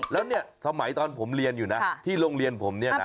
แล้วเนี่ยสมัยตอนผมเรียนอยู่นะที่โรงเรียนผมเนี่ยนะ